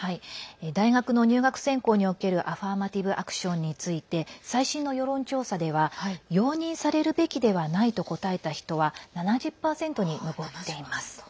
大学の入学選考におけるアファーマティブ・アクションについて最新の世論調査では容認されるべきではないと答えた人は７０％に上っています。